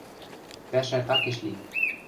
Пӓшӓ такеш лин.